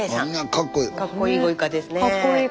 かっこいいご一家ですね。